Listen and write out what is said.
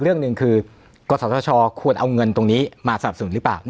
เรื่องหนึ่งคือกศธชควรเอาเงินตรงนี้มาสนับสนุนหรือเปล่า